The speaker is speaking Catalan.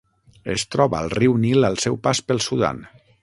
Es troba al riu Nil al seu pas pel Sudan.